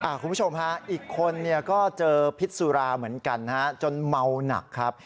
คุณผู้ชมฮะอีกคนเนี่ยก็เจอพิษสุราเหมือนกันนะฮะจนเมาหนักครับ